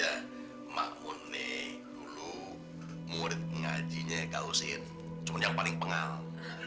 ya sopya emak unni dulu murid ngajinya kak husin cuma yang paling pengal